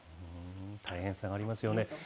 大変さがありますよね。